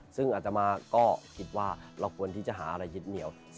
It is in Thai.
ซึ่งอัตมาก็คิดว่าเราควรที่จะหาอะไรยึดเหนียว